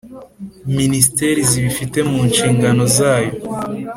ministere zibifite munshigano zayo